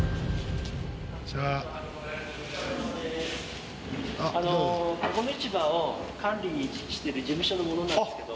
あのここの市場を管理してる事務所の者なんですけども。